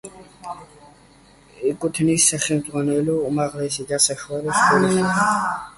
ეკუთვნის სახელმძღვანელოები უმაღლესი და საშუალო სკოლებისათვის.